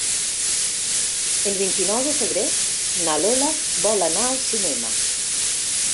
El vint-i-nou de febrer na Lola vol anar al cinema.